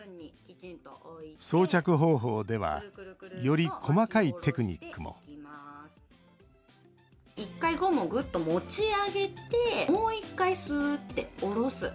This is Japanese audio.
装着方法ではより細かいテクニックも１回、ゴムをぐっと持ち上げてもう１回、すーって下ろす。